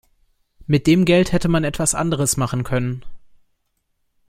Mit dem Geld hätte man was anderes machen können.